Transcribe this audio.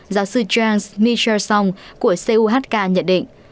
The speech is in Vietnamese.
giáo sư james michelson của cuhk nhận định